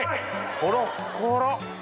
ほろっほろ！